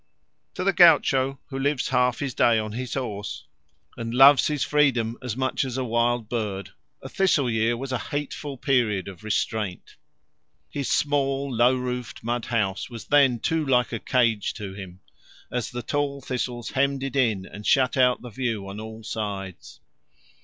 To the gaucho who lives half his day on his horse and loves his freedom as much as a wild bird, a thistle year was a hateful period of restraint. His small, low roofed, mud house was then too like a cage to him, as the tall thistles hemmed it in and shut out the view on all sides.